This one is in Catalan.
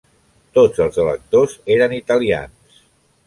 Tots els electors eren italians.